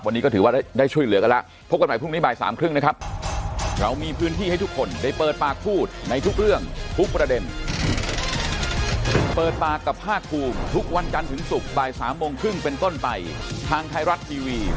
วันนี้ก็ถือว่าได้ช่วยเหลือกันแล้วพบกันใหม่พรุ่งนี้บ่ายสามครึ่งนะครับ